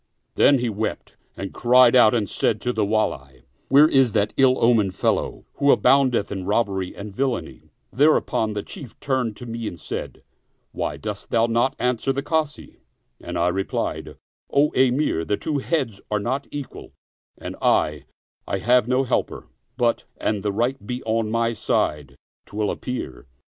" Then he wept and cried out and said to the Wall, " Where is that ill omened fellow, who aboundeth in robbery and villainy?" Thereupon the Chief turned to me and said, " Why dost 6i Oriental Mystery Stories thou not answer the Kazi?" and I replied, "O Emir, the two heads are not equal, and I, I have no helper; but, an the right be on my side 'twill appear."